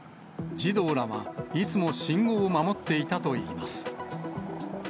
児童らは、いつも信号を守っていたといいます。